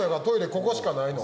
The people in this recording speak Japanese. ここしかないの？